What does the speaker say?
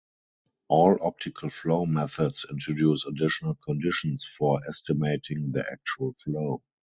All optical flow methods introduce additional conditions for estimating the actual flow.